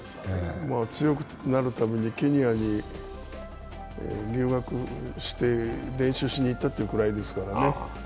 強くなるためにケニアに留学して練習しに行ったというくらいですからね。